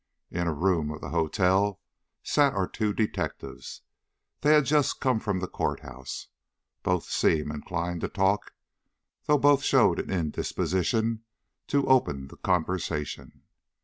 In a room of the hotel sat our two detectives. They had just come from the court house. Both seemed inclined to talk, though both showed an indisposition to open the conversation.